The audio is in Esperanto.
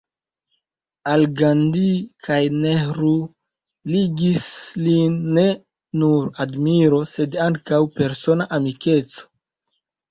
Al Gandhi kaj Nehru ligis lin ne nur admiro sed ankaŭ persona amikeco.